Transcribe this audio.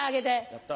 やった。